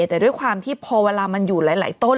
แต่ด้วยความที่พอเวลามันอยู่หลายต้น